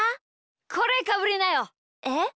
これかぶりなよ。えっ？